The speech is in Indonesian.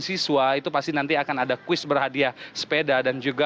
siswa itu pasti nanti akan ada kuis berhadiah sepeda dan juga